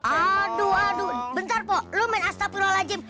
aduh bentar mpok lu main astagfirulazim